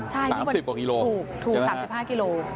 ๓๐กว่ากิโลกรัมใช่ไหมครับถูกถูก๓๕กิโล